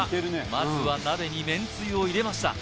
まずは鍋にめんつゆを入れました